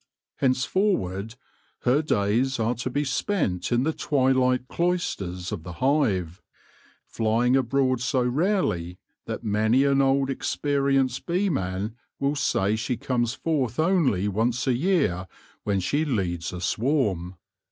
Henceforward her days are to be spent in the twilight cloisters of the hive, flying abroad so rarely that many an old experienced beeman will say she comes forth only once a year when she leads a swarm.